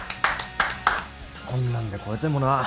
こんなんで超えてもな。